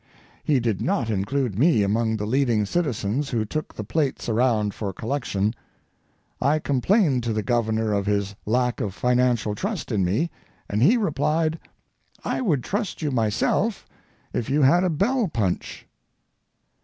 He did not include me among the leading citizens who took the plates around for collection. I complained to the governor of his lack of financial trust in me, and he replied: "I would trust you myself—if you had a bell punch."